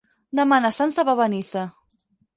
Demà na Sança va a Benissa.